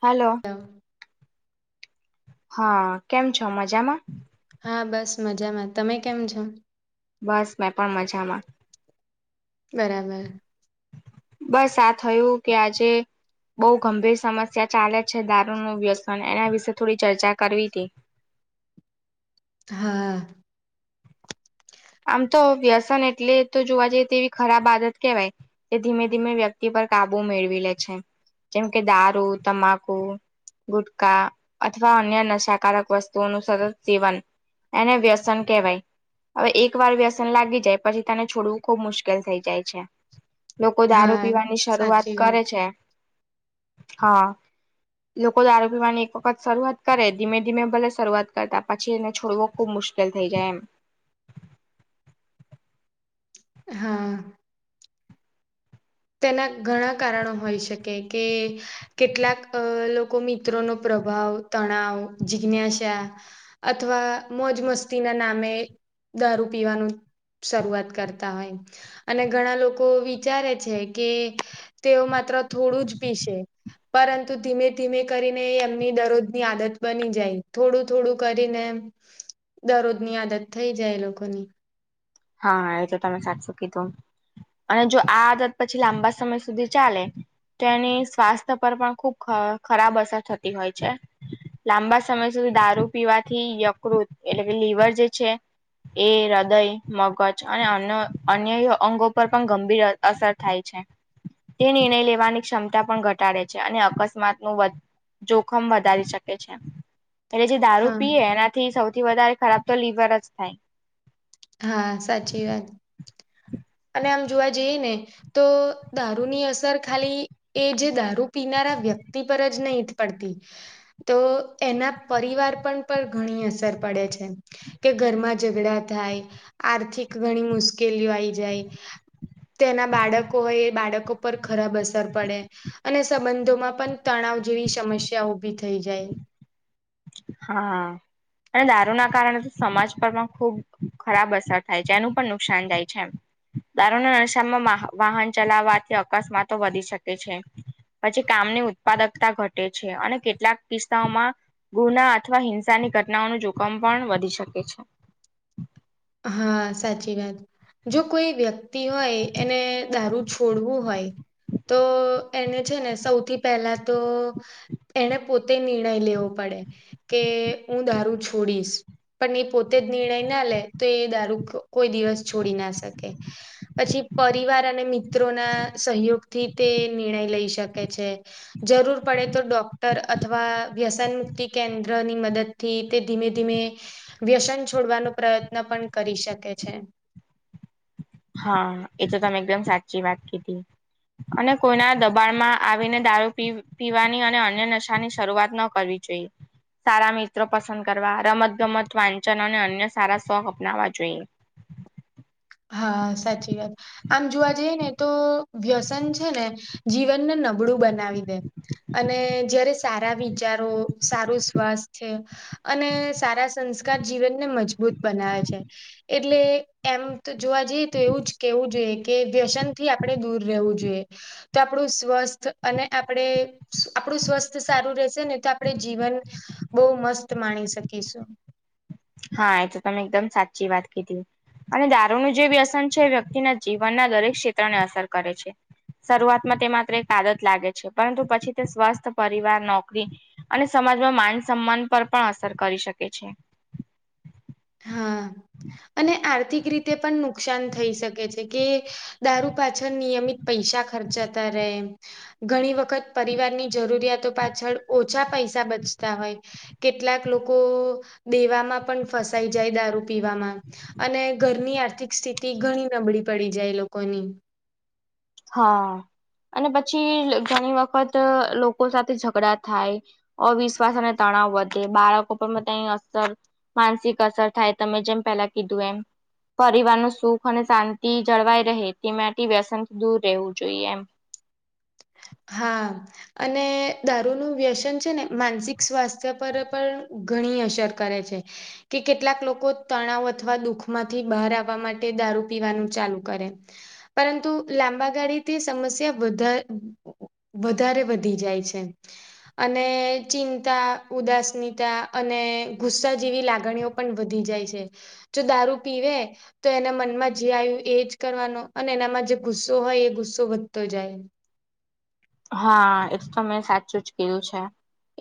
Hello. [inaudible] હા કેમ છો મજામાં? હા બસ મજામાં. તમે કેમ છો? બસ મેં પણ મજામાં. બરાબર. બસ આ થયું કે આજે બો ગંભીર સમસ્યા ચાલે છે દારૂનું વ્યસન એના વિશે થોડી ચર્ચા કરવી તી. હા. આમ તો વ્યસન એટલે તો જોવા જઈએ તેવી ખરાબ આદત કેવાય. તે ધીમે ધીમે વ્યક્તિ પર કાબુ મેળવી લે છે, જેમ કે દારૂ, તમાકુ ગુટકા અથવા અન્ય નશાકારક વસ્તુઓનું સતત સેવન, એને વ્યસન કેવાય હવે એકવાર વ્યસન લાગી જાય પછી તને છોડવું ખુબ મુશ્કેલ થઇ જાય છે. લોકો દારૂ હા પીવાની શરૂઆત સાચી વાત કરે છે, હા લોકો દારૂ પીવાની એક વખત શરૂઆત કરે ધીમે ધીમે ભલે શરૂઆત કરતા પછી એને છોડવો ખુબ મુશ કેલ થઈ જાય એમ હા, તેના ઘણા કારણો હોઈ શકે કે કેટલાક અ લોકો મિત્રોનો પ્રભાવ, તણાવ, જિજ્ઞાસા અથવા મોજ મસ્તીના નામે દારૂ પીવાનું શરૂઆત કરતા હોય અને ઘણા લોકો વિચારે છે કે તેઓ માત્ર થોડું જ પીસે. પરંતુ ધીમે ધીમે કરીને એમની દરરોજની આદત બની જાય થોડું થોડું કરીને દરરોજની આદત થઈ જાય એ લોકોની હા એતો તમે સાચુ કીધું અને જો આદત પછી લાંબા સમય સુધી ચાલે તેની સ્વાસ્થ્ય પર પણ ખુબ ખરાબ અસર થતી હોય છે લાંબા સમય સુધી દારૂ પીવાથી યકૃત એટલે કે લવર જે છે, એ હૃદય મગજ અને અન અન્ય અંગો પર પણ ગંભીર અસર થાય છે. તે નિર્ણય લેવાની ક્ષમતા પણ ઘટાડે છે, અને અકસ્માતનું વ જોખમ વધારી શકે છે એટલે જે દારૂ હા પીએ એનાથી સૌથી વધારે ખરાબ તો લીવર જ થાય હા સાચી વાત [unintelligible] અને આમ જોવા જઈએ ને તો દારૂની અસર ખાલી એ જે દારૂ પીનારા વ્યક્તિ પર જ નહી પડતી તો એના પરિવાર પણ પર ઘણી અસર પડે છે કે ઘરમાં ઝઘડા થાય આર્થિક ઘણી મુશ્કેલીઓ આઈ જાય તેના બાળકો હોય એ બાળકો પર ખરાબ અસર પડે અને સંબંધોમાં પણ તણાવ જેવી સમસ્યા ઉઊભી થઈ જાય હા અને દારૂના કારણે તો સમાજ પર પણ ખુબ ખરાબ અસર થાય છે એનું પણ નુકસાન જાય છે એમ દારૂના ના નશામાં વાહન ચલાવાથી અકસ્માતો વધી શકે છે પછી કામની ઉત્પાદકતા ઘટે છે અને કેટલાક કિસ્સાઓમાં ગુના અથવા હિંસાની ઘટનાઓનું જોખમ પણ વધી શકે છે હા સાચી વાત જો કોઈ વ્યક્તિ હોય એને દારૂ છોડવું હોય તો એને છે ને સૌથી પહેલા તો એને પોતે નિર્ણય લેવો પડે કે હું દારૂ છોડીશ પણ એ પોતે જ નિર્ણય ના લે તો એ દારૂ કોઈ દિવસ છોડી ના શકે પછી પરિવાર અને મિત્રોના સહયોગથી તે નિર્ણય લઈ શકે છે જરૂર પડે તો ડોક્ટર અથવા વ્યસન મુક્તિ કેન્દ્રની મદદ થી તે ધીમે ધીમે વ્યસન છોડવાનો પ્રયત્ન પણ કરી શકે છે. હા એ તો તમે એકદમ સાચી વાત કીધી અને કોઈના દબાણમાં આવીને દારૂ પી પીવાની અને અન્ય નશાની શરૂઆત ન કરવી જોઈએ. સારા મિત્રો પસંદ કરવા રમત ગમત વાંચન અને અન્ય સારા શોખ અપનાવવા જોઈએ. હા સાચી વાત આમ જોવા જઈએ ને તો વ્યસન છેને, જીવનને નબળું બનાવી દે અને જયારે સારા વિચારો સારું સ્વાસ્થ્ય અને સારા સંસ્કાર જીવનને મજબૂત બનાવે છે એટલે એમ તો જોવા જઈએ તો એવું જ કેવું જોઈએ, કે વ્યસન થી આપણે દૂર રહેવું જોઈએ. તો આપણું સ્વસ્થ અને આપણેે આપણું સ્વસ્થ સારું રહેશે, ને તો આપણે જીવન બહુ મસ્ત માણી શકીશુ હા એ તો તમે એકદમ સાચી વાત કીધી અને દારૂનું જે વ્યસન છે વ્યક્તિના જીવનના દરેક ક્ષેત્રને અસર કરે છે. શરૂઆતમાં તે માત્ર એક આદત લાગે છે, પરંતુ પછી તે સ્વસ્થ પરિવાર નોકરી અને સમાજમાં માન સન્માન પર પણ અસર કરી શકે છે. હા અને આર્થિક રીતે પણ નુકસાન થઈ શકે છે. કે દારૂ પાછળ નિયમિત પૈસા ખર્ચાતા રહે ઘણી વખત પરિવારની જરૂરિયાતો પાછળ ઓછા પૈસા બચતા હોય. કેટલાક લોકો દેવામાં પણ ફસાઈ જાય દારૂ પીવામાં અને ઘરની આર્થિક સ્થિતિ ઘણી નબળી પડી જાય લોકોની હા અને પછી ઘણી વખત લોકો સાથે ઝઘડા થાય. અવિશ્વાસ અને તણાવ વધે બાળકો પર તેની અસર માનસિક અસર થાય તમે જેમ પેલા કીધું એમ પરિવાર ન સુખ અને શાંતિ જળવાય રહે, તે માટેથી વ્યસન દૂર રહેવું જોઈએ એમ હા અને દારૂનું વ્યસન છેને, માનસિક સ્વાસ્થ્ય પર પણ ઘણી અસર કરે છે. કે કેટલાક લોકો તણાવ અથવા દુઃખમાંથી બહાર આવવા માટે દારૂ પીવાનું ચાલુ કરે પરંતુ લાંબા ગાડીથી સમસ્યા વધારે વધારે વધી જાય છે. અને ચિંતા ઉદાસનીતા અને ગુસ્સા જેવી લાગણીઓ પણ વધી જાય છે જો દારૂ પીવે તો એના મનમાં જે આવ્યું એજ કરવાનો અને એના મન માં જે ગુસ્સો હોયએ ગુસ્સો વધતો જાય હા એ તો મેં સાચું જ કીધુ છે,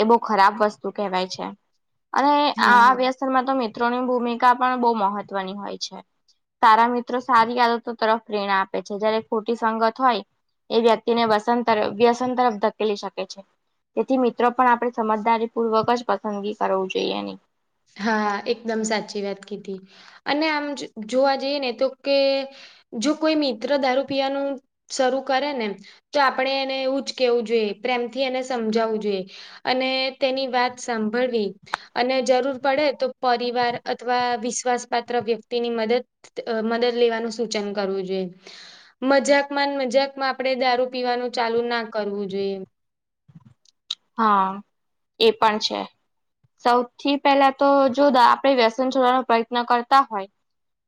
એ બહુ ખરાબ વસ્તુ કહેવાય છે. અને હા આ વ્યસતનમા તો મિત્રોની ભૂમિકા પણ બહું મહત્વની હોય છે. તારા મિત્રો સારી આદતો તરફ પ્રેરણા આપે છે, જયારે ખોટી સગત હોય. એ વ્યક્તિને વ્યસન વ્યસન તરફ ધકેલી શકે છે. તેથી મિત્રો પણ આપણે સમજદારી પૂર્વક જ પસંદગી કરું જોઈએ, એની હા એકદમ સાચી વાત કીધી અને આમ જોવા જઈએ ને તો કે જો કોઈ મિત્ર દારૂ પીવાનું શરૂ કરે ને તો આપણે એને એવું જ કેવુ જોઈએ, પ્રેમથી એને સમજાવવો જોઈએ. અને તેની વાત સાંભળવી અને જરૂર પડે તો પરિવાર અથવા વિશ્વાસ પાાત્ર વ્યક્તિ ની મદદ મદદ લેવાનું સૂચન કરવું જોઈએ. મજાકમાં ને મજાકમાં આપડે દારૂ પીવાનું ચાલુ ના કરવું જોઈએ. હા એ પણ છે. સૌથી પહેલા તો જો આપડે વ્યસન છોડવાનો પ્રયત્ન કરતા હોય.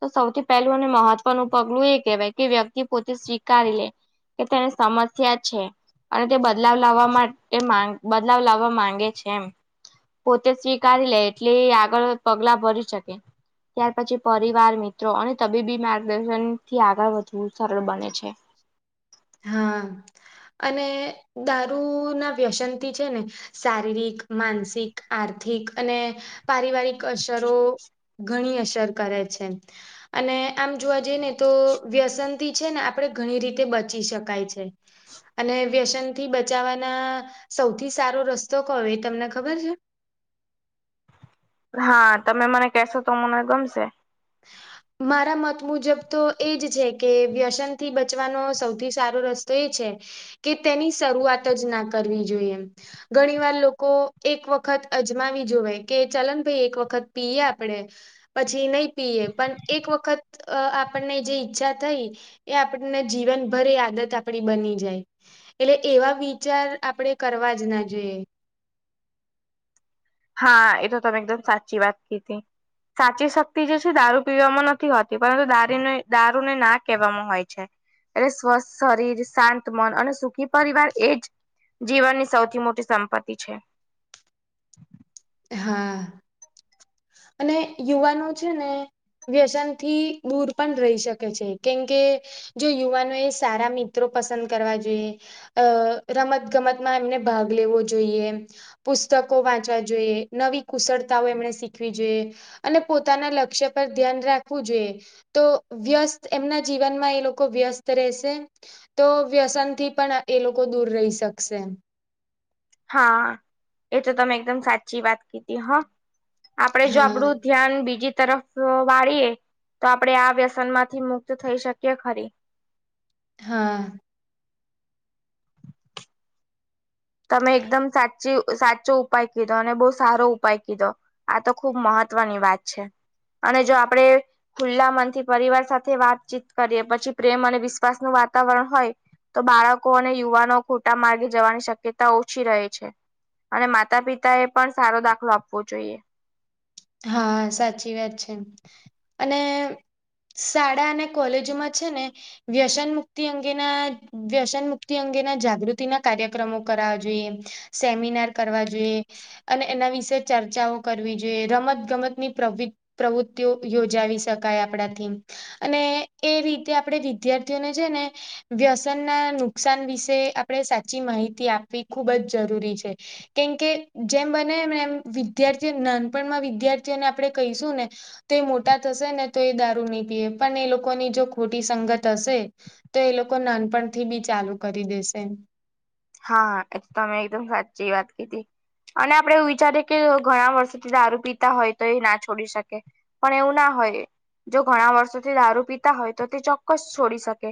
તો સૌથી પહેલું અને મહત્વનું પગલું એ કહેવાય કે વ્યક્તિ પોતે સ્વીકારી લે. કે તેને સમસ્યા છે અને તે બદલાવ લાવવા માટે માંગ બદલાવ લાવવા માંગે છે એમ. પોતે સ્વીકારી લે એટલે એ આગળ પગલા ભરી શકે. ત્યાર પછી પરિવાર, મિત્રો અને તબીબી માર્ગદર્શનથી આગળ વધવું સરળ બને છે. હા અને દારૂ ના વ્યસન થી છે ને શારીરિક, માનસિક, આર્થિક અને પારિવારિક અસરો ઘણી અસર કરે છે. અને આમ જોવા જઈએ ને તો વ્યસન થી છે ને આપણે ઘણી રીતે બચ બચી શકાય છે. અને વ્યસનથી બચાવવાના સૌથી સારો રસ્તો કયો એ તમને ખબર છે? હા તમે મને કશો તો મને ગમશે. [inaudible] મારા મત મુજબ તો એજ છે કે વ્યસન થી બચવાનો સૌથી સારો રસ્તો એ જ છે કે તેની શરૂઆત જ ના કરવી જોઈએ. ઘણી વાર લોકો એક વખત અજમાવી જોવે કે ચાલો ને ભાઈ એક વખત પીએ આપણેે પછી નય પીએ પણ એક વખત આપણને જે ઈચ્છા થઈ એ આપણને જીવનભર એ આદત આપણી બની જાય. એટલે એવા વિચાર આપણે કરવા જ ના જોઈએ. હા એ તો તમે એકદમ સાચી વાત કીઘી. સાચી શક્તિ જે છે દારૂ પીવામાં નથી હોતી પરંતુ દારૂ દારૂને ના કહેવામાં હોય છે. એટલે સ્વસ્થ શરીર, શાંત મન અને સુખી પરિવાર એ જ જીવનની સૌથી મોટી સંપત્તિ છે. હા અને યુવાનો છે ને વ્યસન થી દૂર પણ રેય શકે છે કેમ કે જો યુવાનો એ સારા મિત્રો પસંદ કરવા જોઈએ. અ રમત ગમતમાં એમને ભાગ લેવો જોઈએ, પુસ્તકો વાંચવા જોઈએ. નવી કુશળતાઓ એમણે શીખવી જોઈએ. અને પોતાના લક્ષ્ય પર ધ્યાન રાખવું જોઈએ. તો વ્યસ્ત એમના જીવનમાં એ લોકો વ્યસ્ત રહેશે. તો વ્યસન થી પણ એ લોકો દૂર રહી શકશે. હા એ તો તમે એકદમ સાચી વાત કીધી હા. આપડે જો હા આપડું ધ્યાન બીજી તરફ વાળીએ તો આપડે આ વ્યસન માંથી મુક્ત થઈ શકીએ ખરી. હા. તમે એકદમ સાચૂ સાચો ઉપાય કીધો અને બો સારો ઉપાય કીધો. આ તો ખુબ મહત્વની વાત છે અને જો આપણે ખુલ્લા મનથી પરિવાર સાથે વાતચીત કરીએ પછી પ્રેમ અને વિશ્વાસ નું વાતાવરણ હોય તો બાળકો અને યુવાનો ખોટા માર્ગે જવાની શક શકયતા ઓછી રહે છે અને માતા પિતા એ પણ સારો દાખલો આપવો જોઈએ. હા સાચી વાત છે અને શાળા અને કોલેજો માં છે ને વ્યસન મુક્તિ અંગેના વ્યસન મુક્તિ અંગેના જાગૃતિના કાર્યક્રમો કરાવા જોઈએ સેમિનાર કરવા જોઈએ અને એના વિશે ચર્ચાઓ કરવી જોઈએ રમત ગમત ની પ્રવી પ્રવૃત્તિઓ યોજાવી શકાય આપણાથી અને એ રીતે આપણે વિદ્યાર્થીઓને છે ને વ્યસનના નુકસાન વિશે આપણે સાચી માહિતી આપવી ખૂબ જ જરૂરી છે. કેમકે જેમ બને [unintelligible] એમ વિદ્યાર્થીઓને નાનપણમાં વિદ્યાર્થીને આપણે કહીશું ને તે મોટા થશે ને તો એ દારૂ નહીં પીએ પણ એ લોકોની જો ખોટી સંગત હશે તો એ લોકો નાનપણથી બી ચાલુ કરી દેશે હા એ તો [unintelligible] એકદમ સાચી વાત કીધી અને આપડે એવું વિચારીએ કે ઘણા વર્ષોથી દારૂ પીતા હોય તો એ ના છોડી શકે પણ એવું ના હોય જો ઘણા વર્ષોથી દારૂ પીતા હોય તો તે ચોક્કસ છોડી શકે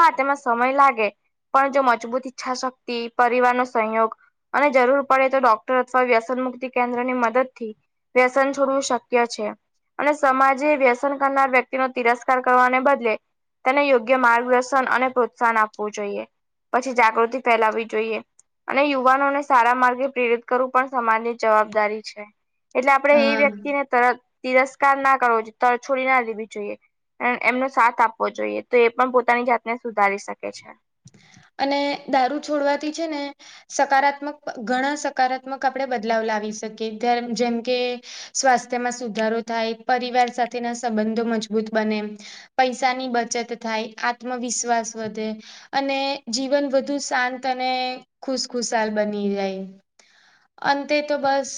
હા તેમાં સમય લાગે પણ જો મજબૂત ઈચ્છાશક્તિ પરિવારનોો સંયોગ અને જરૂર પડે તો ડોક્ટર અથવા વ્યસન મુક્તિ કેન્દ્ર ની મદદ થી વ્યસન છોડવું શક્ય છે. અને સમાજે વ્યસન કરનાર વ્યક્તિ તિરસ્કાર કરવાને બદલે અને યોગ્ય માર્ગદર્શન અને પ્રોત્સાહન આપવું જોઈએ પછી જાગૃતિ ફેલાવી જોઈએ અને યુવાનોને સારા માર્ગે પ્રેરિત કરવું પણ સમાજની જવાબદારી છે. એટલે આપળે એ હા વ્યક્તિને તર તિરસ્કાર ના કરવો જોઈએ તરછોડી ના દેવી જોઈએ એમનો સાથ આપવો જોઈએ તો એ પણ પોતાની જાતને સુધારી શકે છે. અને દારૂ છોડવાથી છે ને સકારાત્મક ઘણા સકારાત્મક આપણે બદલાવ લાવી શકીએ [unintelligible] જેમ કે સ્વાસ્થ્યમાં સુધારો થાય પરિવાર સાથેના સંબંધો મજબૂત બને પૈસાની બચત થાય આત્મવિશ્વાસ વધે અને જીવન વધુ શાંત અને ખુશખુશાલ બની રહે અંતે તો બસ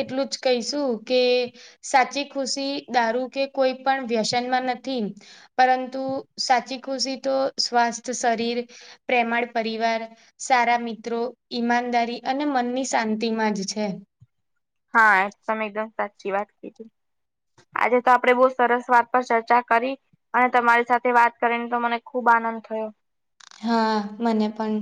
એટલું જ કહીશું કે સાચી ખુશી દારૂ કે કોઈ પણ વ્યસનમાં નથી પરંતુ સાચી ખુશી તો સ્વાસ્થ શરીર પ્રેમાળ પરિવાર સારા મિત્રો ઈમાનદારી અને મનની શાંતિ માં જ છે. હા એક તમે એકદમ સાચી વાત કીધી આજે તો આપડે બહુ સરસ વાત પર ચર્ચા કરી અને તમારી સાથે વાત કરીને તો મને ખુબ આનંદ થયો હા મને પણ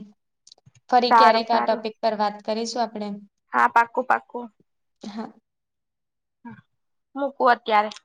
ફરી સારું ક્યારેક આ સારું ટોપિક પર વાત કરીશું આપણેે હા પાકું પાકું [inaudible] મૂકું અત્યારે